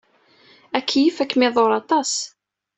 Akeyyef ad kem-iḍurr aṭas.